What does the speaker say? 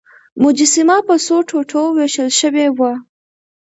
مجسمه په څو ټوټو ویشل شوې وه.